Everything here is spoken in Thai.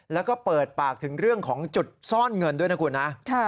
แล้วก็เปิดปากถึงเรื่องของจุดซ่อนเงินด้วยนะคุณนะ